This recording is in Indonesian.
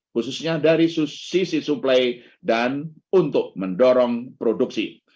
khususnya dari sisi suplai dan untuk mendorong produksi